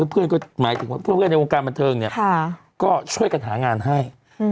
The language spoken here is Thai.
เพื่อนในวงการบันเทิงเนี่ยก็ช่วยกันหางานให้